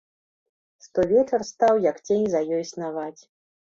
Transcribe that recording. Штовечар стаў, як цень, за ёй снаваць.